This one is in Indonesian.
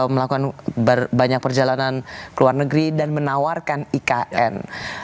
melakukan banyak perjalanan ke luar negeri dan menawarkan ikn